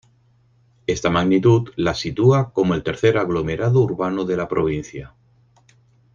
Esta magnitud la sitúa como el tercer aglomerado urbano de la provincia.